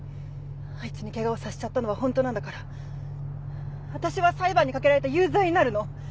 あいつに怪我をさせちゃったのは本当なんだから私は裁判にかけられて有罪になるの。